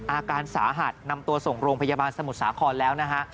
อาการสาหัสนำตัวส่งโรงพยาบาลสมุทรสาครแล้วนะฮะ